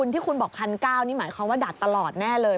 ที่คุณบอก๑๙๐๐นี่หมายความว่าดัดตลอดแน่เลย